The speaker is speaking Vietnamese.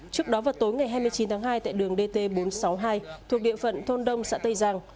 trước đó vào tối ngày hai mươi chín tháng hai tại đường dt bốn trăm sáu mươi hai thuộc địa phận thôn đông xã tây giang